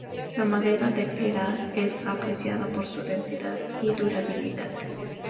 La madera de peral es apreciada por su densidad y durabilidad.